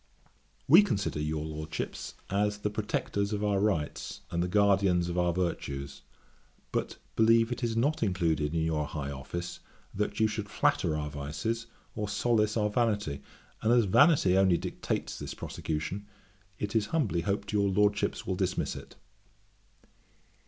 'We consider your Lordships as the protectors of our rights, and the guardians of our virtues; but believe it not included in your high office, that you should flatter our vices, or solace our vanity: and, as vanity only dictates this prosecution, it is humbly hoped your Lordships will dismiss it.